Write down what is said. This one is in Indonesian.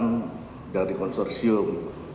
pekerjaan dari konsorsium